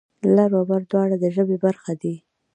لر و بر دواړه د ژبې برخه دي.